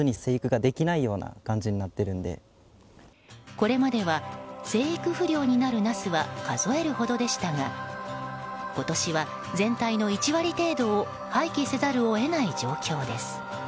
これまでは生育不良になるナスは数えるほどでしたが今年は全体の１割程度を廃棄せざるを得ない状況です。